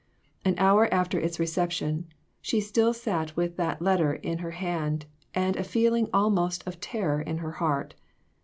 An hour after its reception, she still sat with the letter in her hand and a feeling almost of ter ror in, her heart.